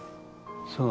そう。